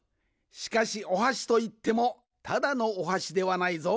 しかしおはしといってもただのおはしではないぞ。